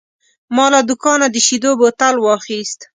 ما له دوکانه د شیدو بوتل واخیست.